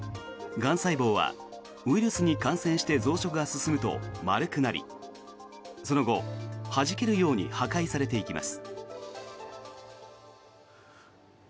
がん細胞はウイルスに感染して増殖が進むと丸くなり、その後はじけるように破壊されていきます。